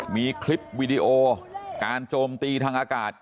มีคลิปวีดีโอการโจมตีทางอากาศ